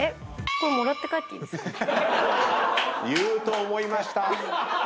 言うと思いました！